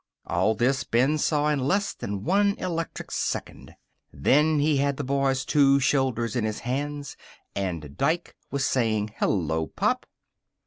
All this Ben saw in less than one electric second. Then he had the boy's two shoulders in his hands, and Dike was saying, "Hello, Pop."